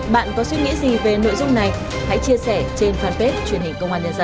bạn có suy nghĩ gì về nội dung này hãy chia sẻ trên fanpage truyền hình công an nhân dân